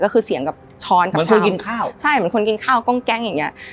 ก็คือเสียงกับช้อนกับโชว์กินข้าวใช่เหมือนคนกินข้าวกล้องแก๊งอย่างเงี้ย